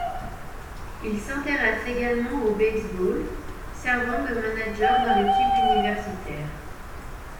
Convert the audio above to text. Il s'intéresse également au baseball, servant de manager dans l'équipe universitaire.